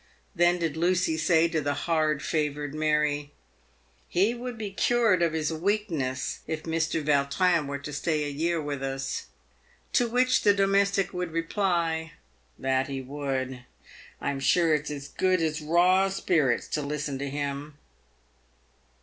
Then did Lucy say to the hard favoured Mary, " He would be cured of his weakness if Mr. Vautrin were to stay a year with us." To which the domestic would reply, " That he would. I'm sure it's as good as raw spirits to listen to him."